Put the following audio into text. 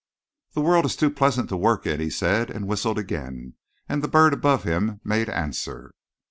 "'The world is too pleasant to work in,' he said, and whistled again, and the bird above him made answer.